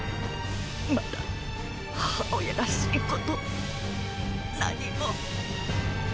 まだ母親らしいことを何も。